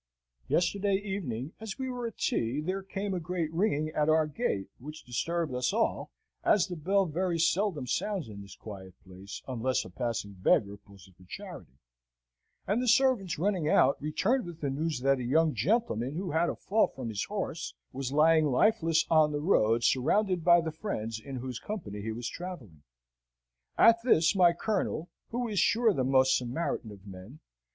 Yesterday evening, as we were at tea, there came a great ringing at our gate, which disturbed us all, as the bell very seldom sounds in this quiet place, unless a passing beggar pulls it for charity; and the servants, running out, returned with the news, that a young gentleman, who had a fall from his horse, was lying lifeless on the road, surrounded by the friends in whose company he was travelling. At this, my Colonel (who is sure the most Samaritan of men!)